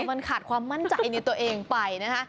มันขาดความมั่นใจในตัวเองไปนะคะ